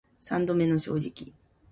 三度目の正直